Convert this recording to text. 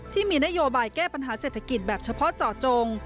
ที่มีนโยบายแก้ปัญหาเศรษฐกิจแบบเฉพาะเจาะจง